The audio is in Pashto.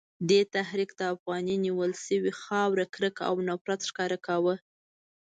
دې تحریک د افغاني نیول شوې خاورې کرکه او نفرت ښکاره کاوه.